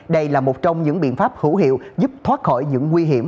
đây là một trong những biện pháp hữu hiệu giúp thoát khỏi những nguy hiểm